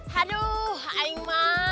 haduh aing ma